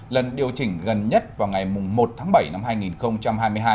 lần điều chỉnh gần nhất vào ngày một tháng bảy năm hai nghìn hai mươi hai